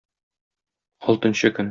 Алтынчы көн.